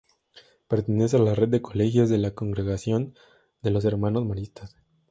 Pertenece a la red de colegios de la Congregación de los Hermanos Maristas.